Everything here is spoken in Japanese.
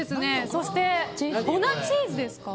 そして粉チーズですか？